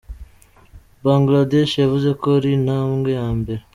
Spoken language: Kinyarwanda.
Bangladesh yavuze ko ari "intambwe ya mbere".